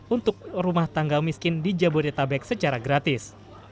untuk rumah tangga miskin di jabodetabek secara gratis